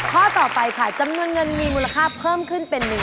ข้อต่อไปค่ะจำนวนเงินมีมูลค่าเพิ่มขึ้นเป็น๑๐๐